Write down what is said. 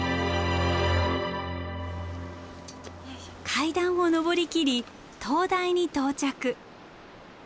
階段を上りきり灯台に到着。